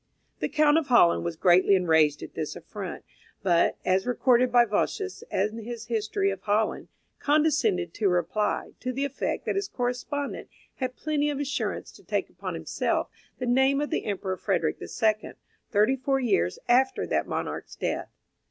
The Count of Holland was greatly enraged at this affront, but, as recorded by Vossius in his History of Holland, condescended to reply, to the effect that his correspondent had plenty of assurance to take upon himself the name of the Emperor Frederick the Second, thirty four years after that monarch's death.